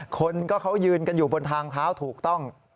คนก็เขายืนกันอยู่บนทางเท้าถูกต้อง